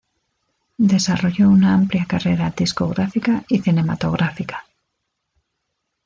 Desarrolló una amplia carrera discográfica y cinematográfica.